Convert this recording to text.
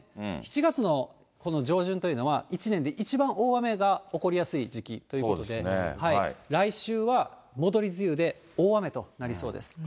７月のこの上旬というのは、１年で一番大雨が起こりやすい時期ということで、来週は戻り梅雨で大雨となりそうです。